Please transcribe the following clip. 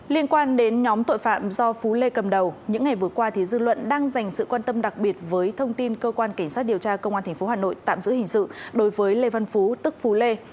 liên quan đến nhóm tội phạm do phú lê cầm đầu những ngày vừa qua dư luận đang dành sự quan tâm đặc biệt với thông tin cơ quan cảnh sát điều tra công an tp hà nội tạm giữ hình sự đối với lê văn phú tức phú lê